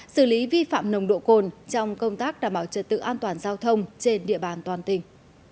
xử lý vi phạm nồng độ cồn trong công tác đảm bảo trật tự an toàn giao thông trên địa bàn toàn tỉnh